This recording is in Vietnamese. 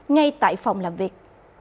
ngay tại phòng đăng kiểm